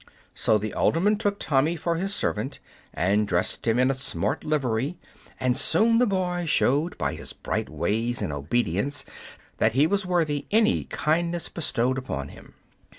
So the alderman took Tommy for his servant, and dressed him in a smart livery; and soon the boy showed by his bright ways and obedience that he was worthy any kindness bestowed upon him.